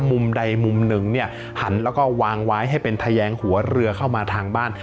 มุมใดมุมหนึ่งเนี่ยหันแล้วก็วางไว้ให้เป็นทะแยงหัวเรือเข้ามาทางบ้าน